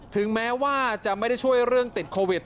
ถึงแม้ว่าจะไม่ได้ช่วยเรื่องติดโควิด